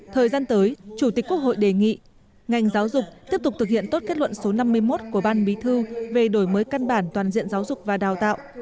thời gian tới chủ tịch quốc hội đề nghị ngành giáo dục tiếp tục thực hiện tốt kết luận số năm mươi một của ban bí thư về đổi mới căn bản toàn diện giáo dục và đào tạo